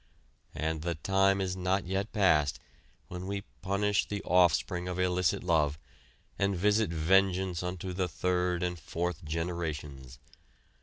And the time is not yet passed when we punish the offspring of illicit love, and visit vengeance unto the third and fourth generations.